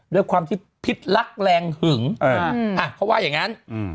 ด้วยความที่พิษรักแรงหึงเขาว่าอย่างนั้น